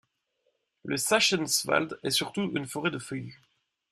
Le Sachsenwald est surtout une forêt de feuillus.